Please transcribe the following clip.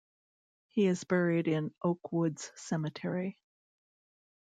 He is buried in Oak Woods Cemetery.